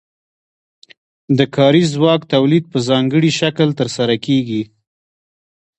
د کاري ځواک تولید په ځانګړي شکل ترسره کیږي.